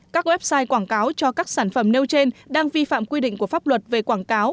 các website quảng cáo cho các sản phẩm nêu trên đang vi phạm quy định của pháp luật về quảng cáo